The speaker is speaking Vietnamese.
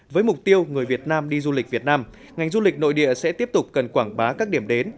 với mục tiêu người việt nam đi du lịch việt nam ngành du lịch nội địa sẽ tiếp tục cần quảng bá các điểm đến